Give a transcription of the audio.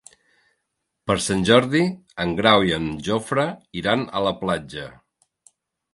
Per Sant Jordi en Grau i en Jofre iran a la platja.